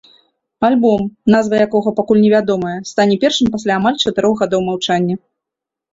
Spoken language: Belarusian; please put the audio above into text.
Альбом, назва якога пакуль невядомая, стане першым пасля амаль чатырох гадоў маўчання.